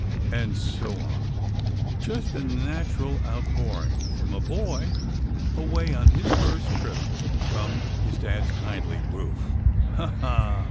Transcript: _" and so on; just a natural outpouring from a boy, away on his first trip from his Dad's kindly roof. "Ha, ha!"